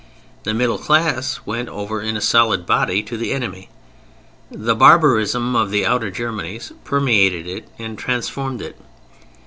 The middle class went over in a solid body to the enemy. The barbarism of the outer Germanies permeated it and transformed it.